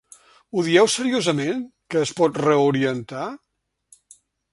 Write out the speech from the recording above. Ho dieu seriosament, que es pot reorientar?